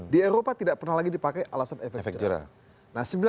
di eropa tidak pernah lagi dipakai alasan efek jerah